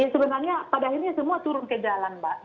sebenarnya pada akhirnya semua turun ke jalan mbak